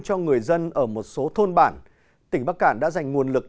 cho người dân ở một số thôn bản tỉnh bắc cản đã dành nguồn lực